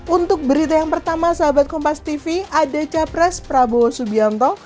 untuk berita yang pertama sahabat kompas tv ada capres prabowo subianto